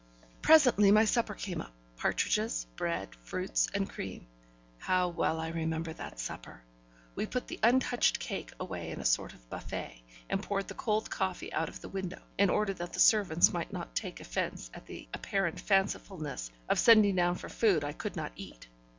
Presently my supper came up partridges, bread, fruits, and cream. How well I remember that supper! We put the untouched cake away in a sort of buffet, and poured the cold coffee out of the window, in order that the servants might not take offence at the apparent fancifulness of sending down for food I could not eat.